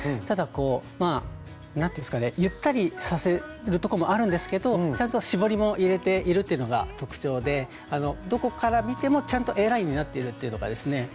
ただこう何ていうんですかねゆったりさせるとこもあるんですけどちゃんと絞りも入れているというのが特徴でどこから見てもちゃんとＡラインになっているっていうのがですね